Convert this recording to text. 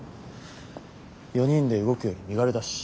４人で動くより身軽だし。